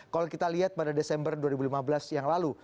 kalau kita lihat pada desember dua ribu lima belas yang lalu